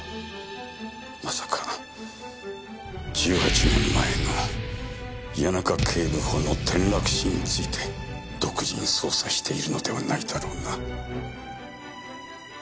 まさか１８年前の谷中警部補の転落死について独自に捜査しているのではないだろうな？